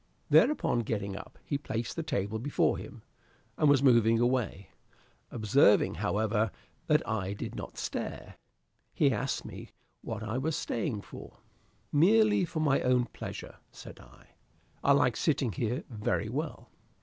Thereupon, getting up, he placed the table before him, and was moving away; observing, however, that I did not stir, he asked me what I was staying for. "Merely for my own pleasure," said I; "I like sitting here very well."